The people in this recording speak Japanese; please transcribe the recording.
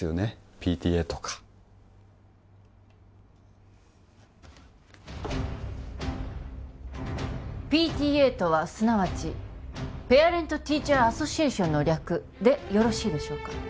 ＰＴＡとかＰＴＡとはすなわちペアレントティーチャーアソシエーションの略でよろしいでしょうか？